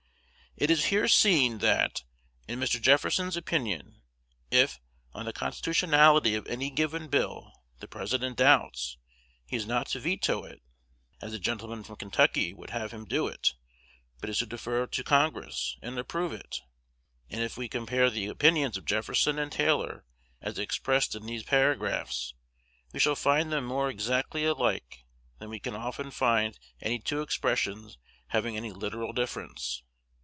It is here seen, that, in Mr. Jefferson's opinion, if, on the constitutionality of any given bill, the President doubts, he is not to veto it, as the gentleman from Kentucky would have him to do, but is to defer to Congress, and approve it. And if we compare the opinions of Jefferson and Taylor, as expressed in these paragraphs, we shall find them more exactly alike than we can often find any two expressions having any literal difference.